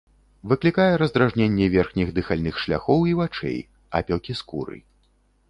Выклікае раздражненне верхніх дыхальных шляхоў і вачэй, апёкі скуры.